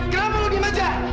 kenapa lu diem aja